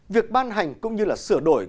việc ban hành cũng như là sửa đổi